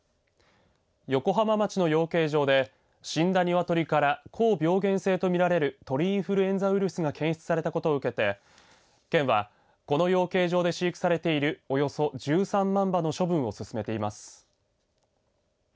横浜町の養鶏場で死んだ鶏から高病原性と見られる鳥インフルエンザウイルスが検出されたことを受けて県はこの養鶏場で飼育されているおよそ１３万羽の処分を進めています。